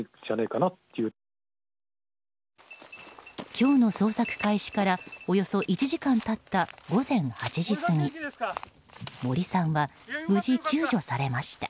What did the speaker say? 今日の捜索開始からおよそ１時間経った午前８時過ぎ森さんは無事救助されました。